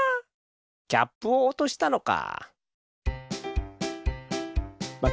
キャップをおとしたのか。